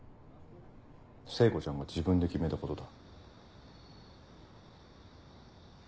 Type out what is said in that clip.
聖子ちゃんが自分で決めたことだ。